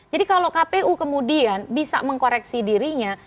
jadi kalau kpu kemudian bisa mengkoreksi dirinya